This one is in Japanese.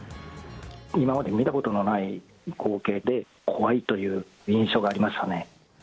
今まで見たことのない光景で、怖いという印象がありましたね。